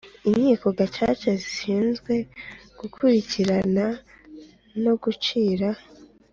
Inkiko Gacaca zishinzwe gukurikirana no gucira